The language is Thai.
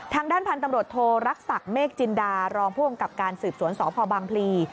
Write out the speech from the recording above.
ทางด้านพันธุ์ตำรวจโทรรักษักเมฆจินดารองผู้กำกับการสืบสวนสพบางพลี